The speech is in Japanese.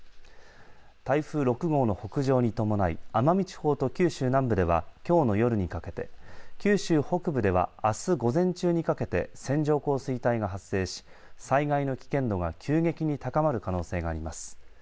台風６号の北上に伴い奄美地方と九州南部ではきょうの夜にかけて九州北部ではあす午前中にかけて線状降水帯が発生し災害の危険度が急激に高まる可能性があります。